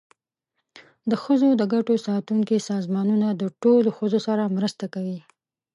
د ښځو د ګټو ساتونکي سازمانونه د ټولو ښځو سره مرسته کوي.